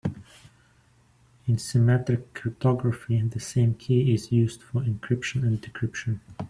In symmetric cryptography the same key is used for encryption and decryption.